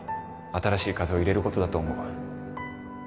新しい風を入れることだと思う